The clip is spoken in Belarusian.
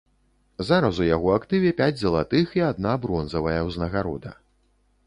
Зараз у яго актыве пяць залатых і адна бронзавая ўзнагарода.